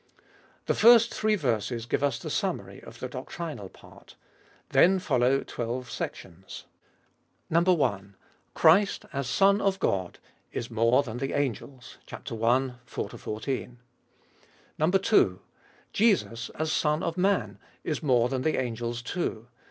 The first three verses give us the summary of the doctrinal part. Then follow twelve sections. 1. Christ, as Son of God, is more than the angels (i. 4 14). 2. Jesus, as Son of Man, is more than the angels too.